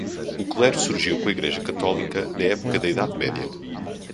O clero surgiu com a Igreja Católica, na época da Idade Média.